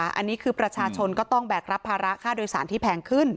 อันนี้คือประชาชนก็ต้องแบกรับภาระค่าโดยสารที่แพงขึ้น